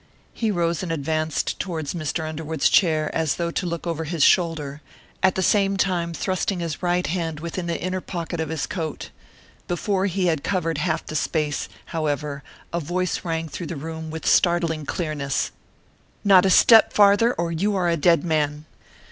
He rose and advanced towards Mr. Underwood's chair as though to look over his shoulder, at the same time thrusting his right hand within the inner pocket of his coat. Before he had covered half the space, however, a voice rang through the room with startling clearness, "Not a step farther, or you are a dead man!"